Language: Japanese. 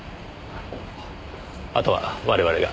あとは我々が。